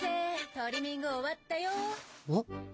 トリミング終わったよ。